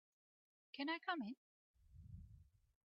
Can I come in?